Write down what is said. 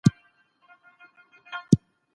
او دده اوښكي